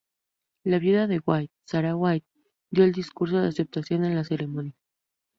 La viuda de White Sara White, dio el discurso de aceptación en la ceremonia.